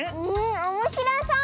おもしろそう！